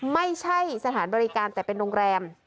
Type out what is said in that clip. ไม่ใช่สถานบริการแต่เป็นโรงแรม